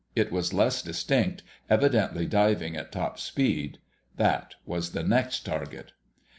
It was less distinct, evidently diving at top speed. That was the next target.